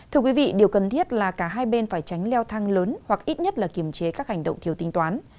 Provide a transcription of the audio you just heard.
thưa quý vị điều cần thiết là cả hai bên phải tránh leo thang lớn hoặc ít nhất là kiềm chế các hành động thiếu tinh toán